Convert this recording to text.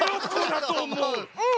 うん。